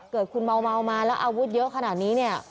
เกิดคุณเมามาแล้วอาวุธเยอะขนาดนี้เนี่ย